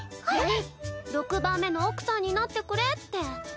えっ⁉６番目の奥さんになってくれって。